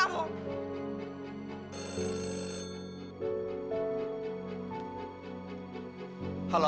aku mau ke kantor